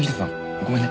ごめんね。